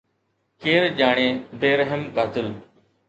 ڪير ڄاڻي، بي رحم قاتل